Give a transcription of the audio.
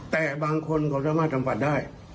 แต่บางคนเขาสามารถจำกัดได้